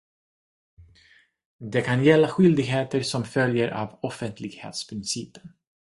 Det kan gälla skyldigheter som följer av offentlighetsprincipen.